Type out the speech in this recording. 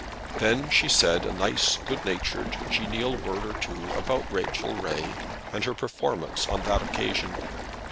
Then she said a nice good natured genial word or two about Rachel Ray and her performance on that occasion.